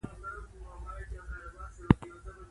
چې ما غوندې بې سواده انسان يې د معرفي کولو توان نه لري.